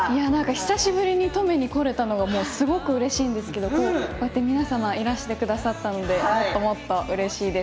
久しぶりに登米に来られたのがすごくうれしいんですけどこうやって、皆さんいらしてくださったのでもっとうれしいです。